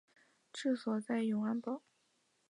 治所在永安堡。